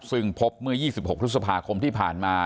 ซึ่งพบเมื่อ๒๖พฤษภาคมที่ผ่านมา